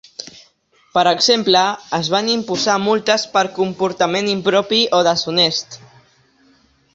Per exemple, es van imposar multes per comportament impropi o deshonest.